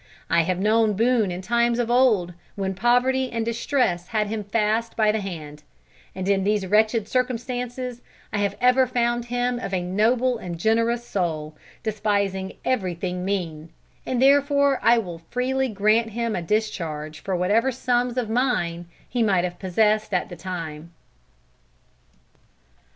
I have known Boone in times of old, when poverty and distress had him fast by the hand, and in these wretched circumstances, I have ever found him of a noble and generous soul, despising everything mean, and therefore I will freely grant him a discharge for whatever sums of mine he might have been possessed at the time."